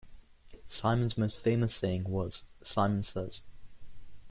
Simon's most famous saying was, Simon says!